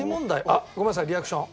あっごめんなさいリアクション。